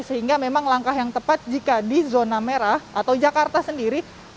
sehingga memang langkah yang tepat jika di zona merah atau jakarta sendiri